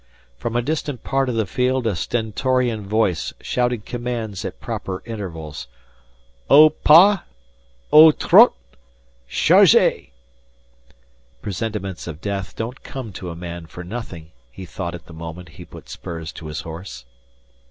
From a distant part of the field a stentorian voice shouted commands at proper intervals: Au pas Au trot Chargez! Presentiments of death don't come to a man for nothing he thought at the moment he put spurs to his horse.